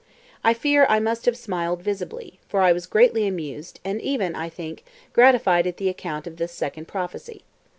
I fear I must have smiled visibly, for I was greatly amused and even, I think, gratified at the account of this second prophecy.